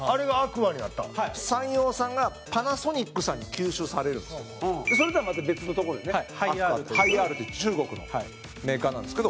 土田：サンヨーさんがパナソニックさんに吸収されるんですけどそれとはまた別のところでねハイアールという中国のメーカーなんですけど。